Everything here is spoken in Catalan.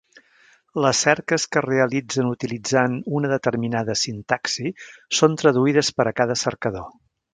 Les cerques que es realitzen utilitzant una determinada sintaxi són traduïdes per a cada cercador.